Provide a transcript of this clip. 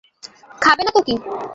খাবে না তো কী!